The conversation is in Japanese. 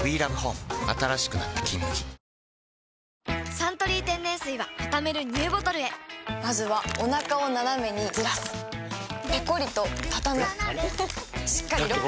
「サントリー天然水」はたためるＮＥＷボトルへまずはおなかをナナメにずらすペコリ！とたたむしっかりロック！